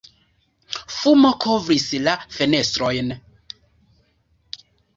Fumo kovris la fenestrojn.